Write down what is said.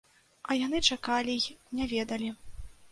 А яны чакалі й не ведалі.